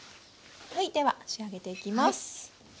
はいでは仕上げていきます。